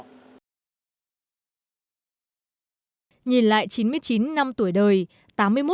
nhìn lại chín mươi chín năm tuổi đời